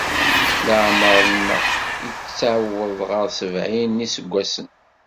Leɛmer-nneɣ ittaweḍ ɣer sebɛin n yiseggasen.